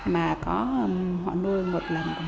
mà họ nuôi một lần